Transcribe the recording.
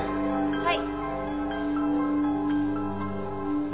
はい。